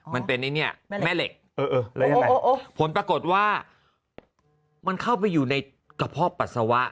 มันเป็นแม่เหล็กผลปรากฏว่ามันเข้าไปอยู่ในกระเพาะปัสสาวะ